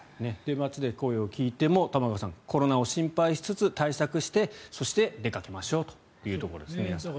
街で声を聞いても玉川さんコロナを心配しつつ対策して、そして出かけましょうと、皆さん。